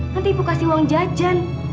nanti ibu kasih uang jajan